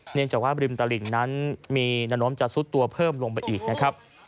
เนื่องจากว่าริมตลิ่งนั้นมีแนวโน้มจะซุดตัวเพิ่มลงไปอีกนะครับ